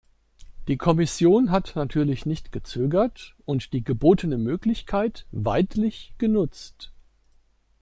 Die Kommission hat natürlich nicht gezögert und die gebotene Möglichkeit weidlich genutzt.